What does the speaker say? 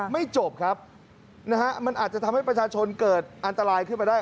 ไม่จบครับนะฮะมันอาจจะทำให้ประชาชนเกิดอันตรายขึ้นมาได้